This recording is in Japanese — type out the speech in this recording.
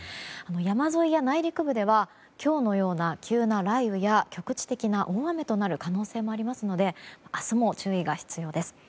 山沿いや内陸部では今日のような急な雷雨や、局地的な大雨となる可能性もありますので明日も注意が必要です。